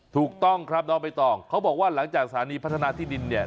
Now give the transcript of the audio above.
ถูกต้องครับน้องใบตองเขาบอกว่าหลังจากสถานีพัฒนาที่ดินเนี่ย